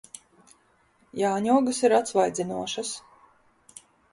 Jāņogas ir atsvaidzinošas.